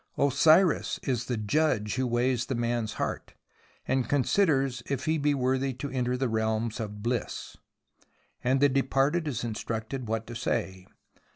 Osiris is the Judge who weighs the man's heart, and considers if he be worthy to enter the Realms of BHss. And the departed is instructed what to say.